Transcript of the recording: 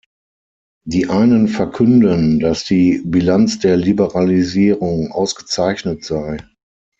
Die einen verkünden, dass die Bilanz der Liberalisierung ausgezeichnet sei.